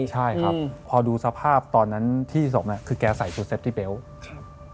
ใช่ครับพอดูสภาพตอนนั้นที่ศพน่ะคือแกใส่ชุดเซฟตี้เบลต์ครับ